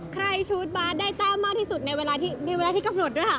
ชูดบาสได้แต้มมากที่สุดในเวลาที่กำหนดด้วยค่ะ